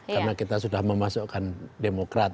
karena kita sudah memasukkan demokrat